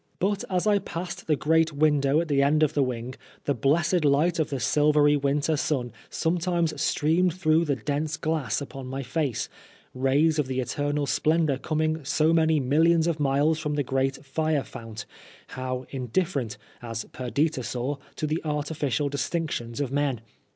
But as I passed the great window at the end of the wing the blessed light of the silvery winter sun sometimes streamed through the dense glass upon my face, rays of the eternal splendor coming so many millions of miles from the great fire fount, how in different, as Perdita saw, to the artificial distinctions of men